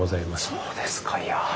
そうですかいや。